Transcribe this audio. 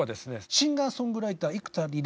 シンガーソングライター幾田りら